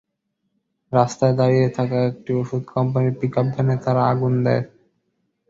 রাস্তায় দাঁড়িয়ে থাকা একটি ওষুধ কোম্পানির পিকআপ ভ্যানে আগুন দেয় তারা।